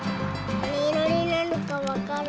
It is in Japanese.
なにいろになるかわかる？